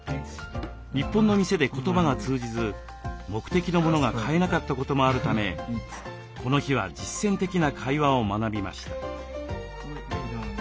日本の店で言葉が通じず目的の物が買えなかったこともあるためこの日は実践的な会話を学びました。